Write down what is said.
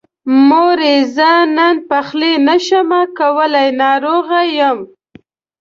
مورې! زه نن پخلی نشمه کولی، ناروغه يم.